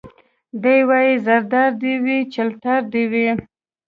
دی وايي زردار دي وي چلتار دي وي